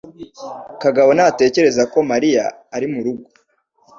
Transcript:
kagabo ntatekereza ko Mariya ari murugo.